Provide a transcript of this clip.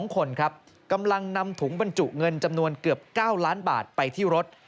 ๒คนครับกำลังนำถุงบรรจุเงินจำนวนเกือบ๙ล้านบาทไปที่รถ